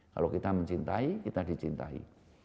kalau kita mencintai kita dicintai